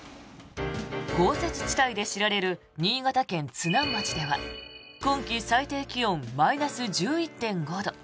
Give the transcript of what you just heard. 豪雪地帯で知られる新潟県津南町では今季最低気温マイナス１１．５度。